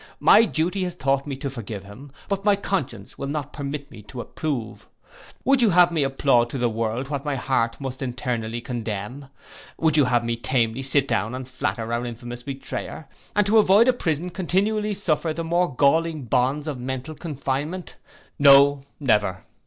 My duty has taught me to forgive him; but my conscience will not permit me to approve. Would you have me applaud to the world what my heart must internally condemn? Would you have me tamely sit down and flatter our infamous betrayer; and to avoid a prison continually suffer the more galling bonds of mental confinement! No, never.